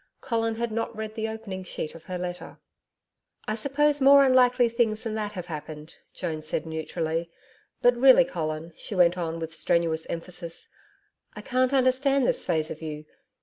Colin had not read the opening sheet of her letter. 'I suppose more unlikely things than that have happened,' Joan said neutrally. 'But really, Colin,' she went on with strenuous emphasis, 'I can't understand this phase of you.